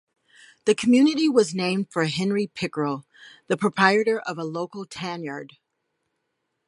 The community was named for Henry Pickerel, the proprietor of a local tanyard.